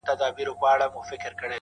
په هفتو یې سره وکړل مجلسونه!